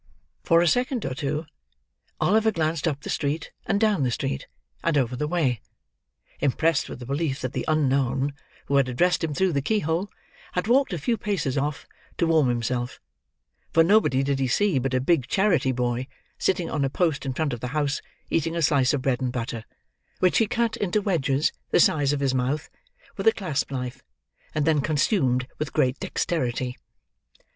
For a second or two, Oliver glanced up the street, and down the street, and over the way: impressed with the belief that the unknown, who had addressed him through the key hole, had walked a few paces off, to warm himself; for nobody did he see but a big charity boy, sitting on a post in front of the house, eating a slice of bread and butter: which he cut into wedges, the size of his mouth, with a clasp knife, and then consumed with great dexterity.